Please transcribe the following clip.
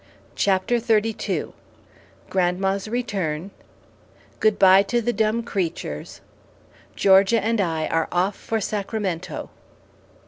CHAPTER XXXII GRANDMA'S RETURN GOOD BYE TO THE DUMB CREATURES GEORGIA AND I ARE OFF FOR SACRAMENTO.